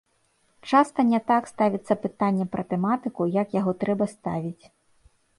Часта не так ставіцца пытанне пра тэматыку, як яго трэба ставіць.